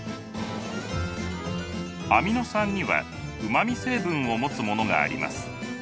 アミノ酸にはうまみ成分を持つものがあります。